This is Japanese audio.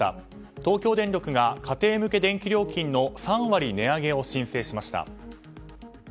東京電力が家庭向け電気料金の３割値上げを申請しました。